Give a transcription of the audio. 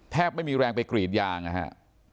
แทบไม่มีแรงไปกรีดยางนะครับ